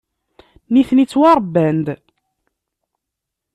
Nitni ttwaṛebban-d.